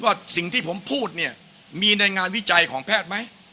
ว่าสิ่งที่ผมพูดเนี่ยมีในงานวิจัยของแพทย์ไหม